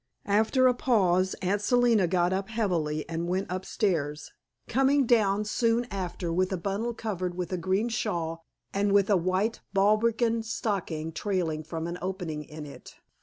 After a pause, Aunt Selina got up heavily and went upstairs, coming down soon after with a bundle covered with a green shawl, and with a white balbriggan stocking trailing from an opening in it.